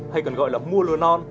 hay còn gọi là mua lừa non